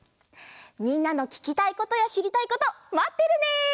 みんなのききたいことやしりたいことまってるね！